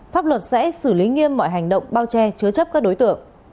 pháp luật sẽ xử lý nghiêm mọi hành động bao che chứa chấp các đối tượng